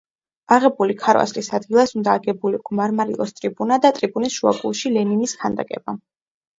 აღებული ქარვასლის ადგილას უნდა აგებულიყო მარმარილოს ტრიბუნა და ტრიბუნის შუაგულში ლენინის ქანდაკება.